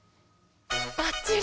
ばっちり！